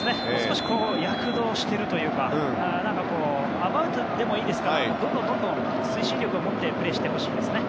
躍動しているというかアバウトにでもいいですからどんどん推進力を持ってプレーしてほしいですね。